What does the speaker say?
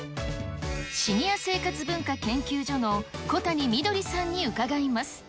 シニア生活文化研究所の小谷みどりさんに伺います。